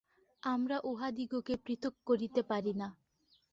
আমরা উহাদিগকে পৃথক করিতে পারি না।